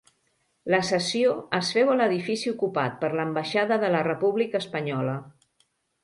La sessió es féu a l'edifici ocupat per l'ambaixada de la República Espanyola.